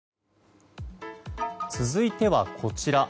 続いては、こちら。